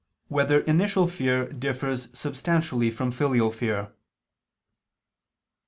7] Whether Initial Fear Differs Substantially from Filial Fear?